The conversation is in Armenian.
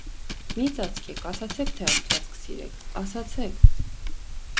մի՛ ծածկեք, ասացե՛ք, թե աստված կսիրեք, ասացեք: